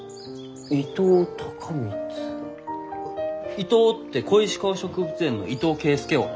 「伊藤」って小石川植物園の伊藤圭介翁の？